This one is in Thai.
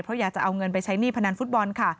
เพราะอยากจะเอาเงินไปใช้หนี้พนันฟุตบอลค่ะ